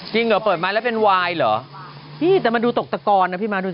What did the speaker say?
จริงเหรอเปิดมาแล้วเป็นวายเหรอพี่แต่มันดูตกตะกรอ่ะพี่มาดูสิ